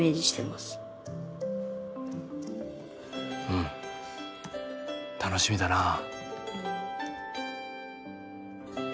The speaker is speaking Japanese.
うん楽しみだなあ。